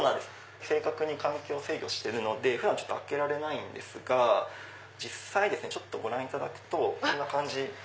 正確に環境を制御してるので普段開けられないんですが実際ご覧いただくとこんな感じ。